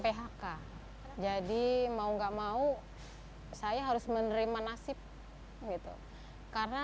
phk jadi mau gak mau saya harus menerima nasib gitu karena